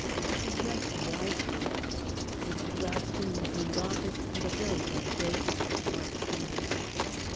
He judged wisely. Mr. Gladstone resumed office with a very bad gi ace (March 20th).